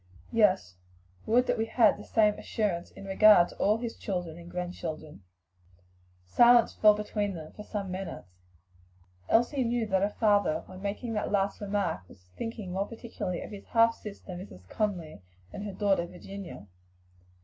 "Yes; would that we had the same assurance in regard to all his children and grandchildren." Silence fell between them for some minutes. Elsie knew that her father, when making that last remark, was thinking more particularly of his half sister, Mrs. Conly, and her daughter Virginia.